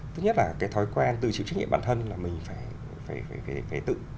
thứ nhất là cái thói quen tự chịu trách nhiệm bản thân là mình phải tự